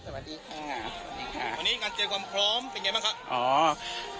วันนี้การเตรียมความพร้อมเป็นยังไงบ้างครับ